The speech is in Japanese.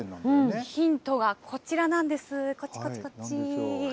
ヒントがこちらなんです、こっち、こっち。